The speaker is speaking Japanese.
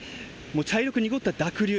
茶色く濁った濁流。